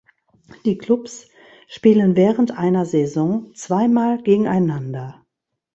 Die Klubs spielen während einer Saison zweimal gegeneinander.